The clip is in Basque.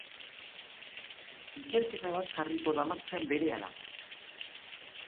Ikerketa bat jarriko da martxan berehala.